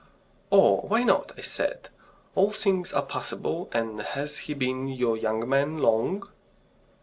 "Oh, why not?" I said. "All things are possible. And has he been your young man long?"